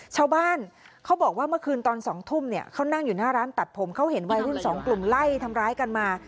ชาวบ้านเขาบอกว่าเมื่อคืนตอน๒ทุ่มเนี่ยเขานั่งอยู่หน้าร้านตัดผมเขาเห็นวัยรุ่นสองกลุ่มไล่ทำร้ายกันมา